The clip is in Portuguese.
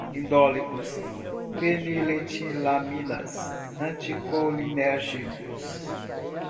indólicos, feniletilaminas, anticolinérgicos